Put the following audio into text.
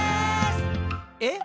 「え？